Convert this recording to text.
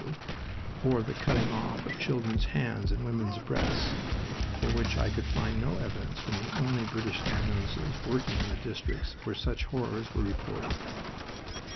H.Q.) or the cutting off of children's hands and women's breasts, for which I could find no evidence from the only British ambulances working in the districts where such horrors were reported.